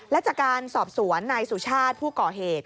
และจากการสอบสวนนายสุชาติผู้ก่อเหตุ